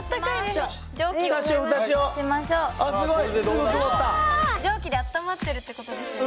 蒸気であったまってるって事ですね。